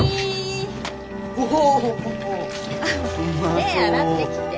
手ぇ洗ってきて。